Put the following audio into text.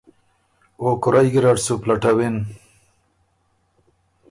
او کُورئ ګیرډ سُو پلټوِن۔